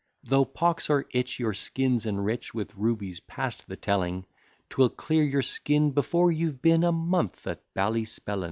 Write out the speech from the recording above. Though pox or itch your skins enrich With rubies past the telling, 'Twill clear your skin before you've been A month at Ballyspellin.